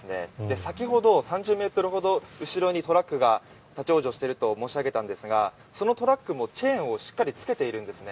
先ほど３０ｍほど後ろにトラックが立ち往生していると申し上げたんですがそのトラックもチェーンをしっかりつけているんですね。